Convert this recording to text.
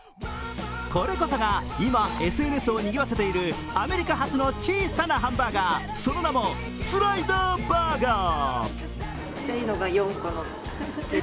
これこそが、今、ＳＮＳをにぎわせているアメリカ発の小さなハンバーガー、その名もスライダーバーガー。